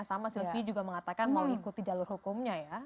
sama sylvi juga mengatakan mau ikuti jalur hukumnya ya